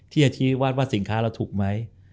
ที่จะชี้วัดว่าสินค้าเราถูกไหม